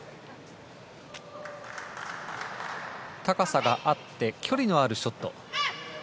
高さがあって距離のあるショット。